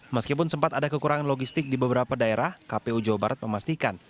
meskipun sempat ada kekurangan logistik di beberapa daerah kpu jawa barat memastikan